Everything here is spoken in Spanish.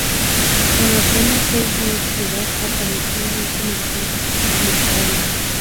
Con apenas seis meses de edad apareció en un comercial publicitario.